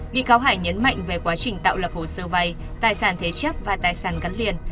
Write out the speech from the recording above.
bị cáo hải nhấn mạnh về quá trình tạo lập hồ sơ vay tài sản thế chấp và tài sản gắn liền